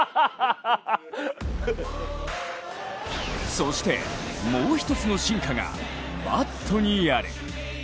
そして、もう一つの進化がバットにある。